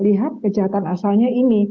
lihat kejahatan asalnya ini